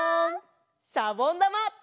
しゃぼんだま！